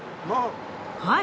はい。